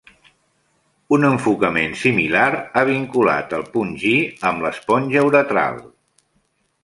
Un enfocament similar ha vinculat el punt G amb l'esponja uretral.